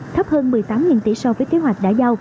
thấp hơn một mươi tám tỷ so với kế hoạch đã giao